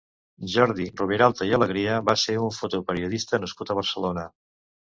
Jordi Roviralta i Alegría va ser un fotoperiodista nascut a Barcelona.